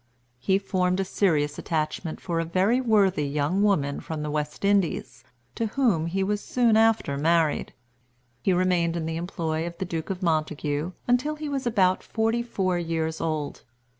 He formed a serious attachment for a very worthy young woman from the West Indies, to whom he was soon after married. He remained in the employ of the Duke of Montagu until he was about forty four years old.